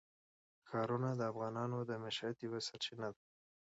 ښارونه د افغانانو د معیشت یوه سرچینه ده.